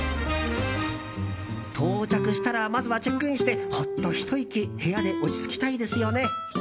到着したらまずはチェックインしてほっとひと息部屋で落ち着きたいですよね。